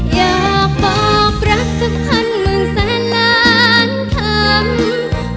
อยากบอกรักสักพันหมื่นแสนล้านคำ